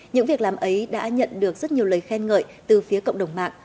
những việc làm ấy đã nhận được rất nhiều lời khen ngợi từ phía cộng đồng mạng